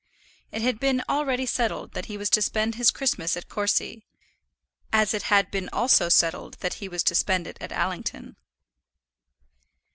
It had been already settled that he was to spend his Christmas at Courcy; as it had been also settled that he was to spend it at Allington.